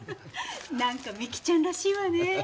なんか美貴ちゃんらしいわね。